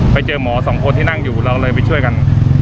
ไปเจอหมอสองคนที่นั่งอยู่เราเลยไปช่วยกัน